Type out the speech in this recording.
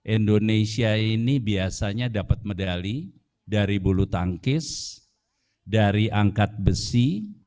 indonesia ini biasanya dapat medali dari bulu tangkis dari angkat besi